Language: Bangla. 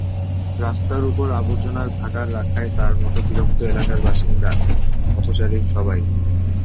রাস্তার ওপর আবর্জনার ভাগাড় রাখায় তাঁর মতো বিরক্ত এলাকার বাসিন্দা, পথচারী—সবাই।